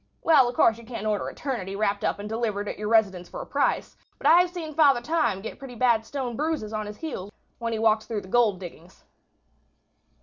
Well, of course, you can't order eternity wrapped up and delivered at your residence for a price, but I've seen Father Time get pretty bad stone bruises on his heels when he walked through the gold diggings."